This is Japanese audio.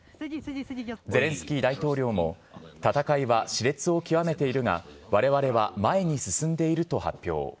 ゼレンスキー大統領も、戦いはしれつを極めているが、われわれは前に進んでいると発表。